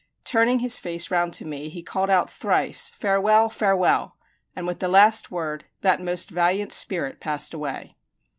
Turning his face round to me, he called out thrice, "Farewell, farewell!" and with the last word that most valiant spirit passed away.